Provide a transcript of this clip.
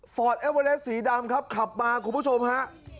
ฟอร์ดแอลเวอร์แรสสีดำครับขับมาคุณผู้ชมฮะ